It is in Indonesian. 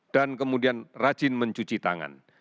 dan kemudian rajin mencuci tangan